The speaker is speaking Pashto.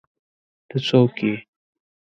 ته څوک ئې؟